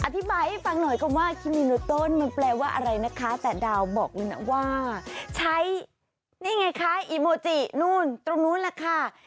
อธิบายให้ฟังหน่อยกันว่ามันแปลว่าอะไรนะคะแต่ดาวบอกนะว่าใช้นี่ไงคะนู่นตรงนู้นล่ะค่ะ